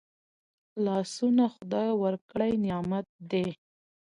لاسونه خدای ورکړي نعمت دی